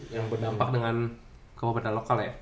yang berdampak dengan kabupaten lokal ya